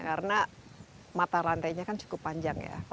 karena mata rantainya kan cukup panjang ya